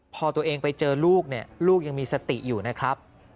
พอตัวเองไปเจอลูกเนี่ยลูกยังมีสติอยู่นะครับ